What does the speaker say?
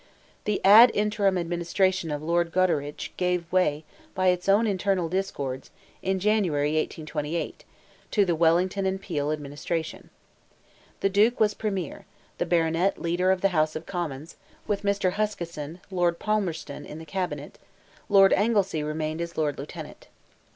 The ad interim administration of Lord Goderich gave way, by its own internal discords, in January, 1828, to the Wellington and Peel administration. The Duke was Premier, the Baronet leader of the House of Commons; with Mr. Huskisson, Lord Palmerston, in the cabinet; Lord Anglesea remained as Lord Lieutenant.